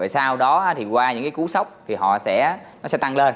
sau đó thì qua những cái cú sốc thì nó sẽ tăng lên